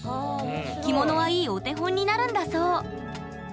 着物はいいお手本になるんだそう。